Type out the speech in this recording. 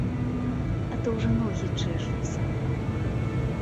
А то ўжо ногі чэшуцца.